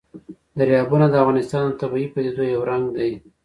دریابونه د افغانستان د طبیعي پدیدو یو رنګ دی.